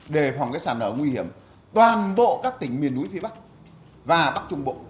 đề phòng các sản lở nguy hiểm toàn bộ các tỉnh miền núi phía bắc và bắc trung bộ